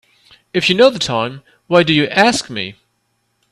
If you know the time why do you ask me?